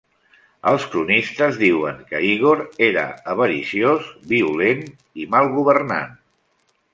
Els cronistes diuen que Ígor era avariciós, violent i mal governant.